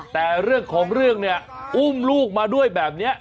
แต่เรื่องของเรื่องเนี่ยอุ้มลูกมาด้วยแบบนี้